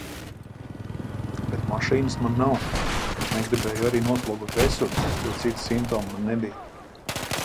Bet mašīnas man nav. Negribēju arī noslogot resursus, jo citu simptomu man nebija.